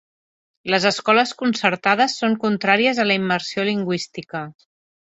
Les escoles concertades són contràries a la immersió lingüística.